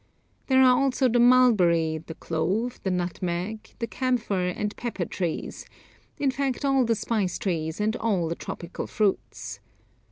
There are also the mulberry, the clove, the nutmeg, the camphor, and pepper trees; in fact all the spice trees and all the tropical fruits.